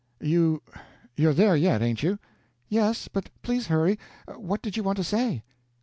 "You you're there yet, ain't you?" "Yes; but please hurry. What did you want to say?"